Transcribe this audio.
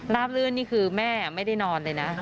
ลื่นนี่คือแม่ไม่ได้นอนเลยนะ